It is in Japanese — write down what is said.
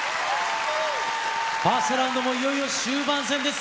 ファーストラウンドもいよいよ終盤戦です。